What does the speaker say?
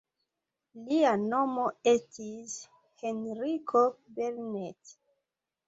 Lia nomo estis Henriko Belnett.